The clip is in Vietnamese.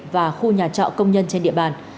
và khu nhà trọ công nhân trên địa bàn